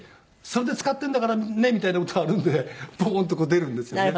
それで使っているんだからねみたいな事があるんでボーンと出るんですよね。